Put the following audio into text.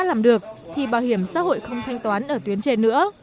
làm được thì bảo hiểm xã hội không thanh toán ở tuyến trên nữa